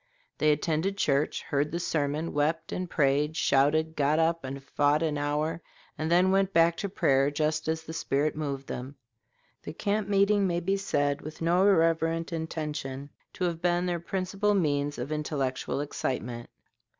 "They attended church, heard the sermon, wept and prayed, shouted, got up and fought an hour, and then went back to prayer, just as the spirit moved them." The camp meeting may be said, with no irreverent intention, to have been their principal means of intellectual excitement.